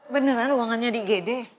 beneran ruangannya di gd